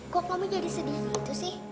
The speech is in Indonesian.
kok kamu jadi sedih gitu sih